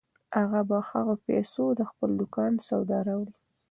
اغا به په هغو پیسو د خپل دوکان سودا راوړي.